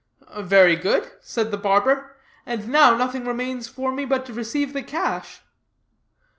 "Very good," said the barber, "and now nothing remains but for me to receive the cash."